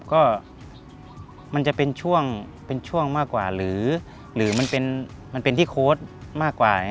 ก็มันจะเป็นช่วงเป็นช่วงมากกว่าหรือมันเป็นที่โค้ดมากกว่า